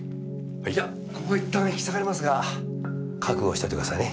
それじゃここは一旦引き下がりますが覚悟しといてくださいね。